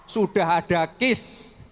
sudah ada kis